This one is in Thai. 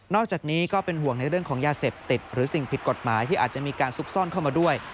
อกจากนี้ก็เป็นห่วงในเรื่องของยาเสพติดหรือสิ่งผิดกฎหมายที่อาจจะมีการซุกซ่อนเข้ามาด้วย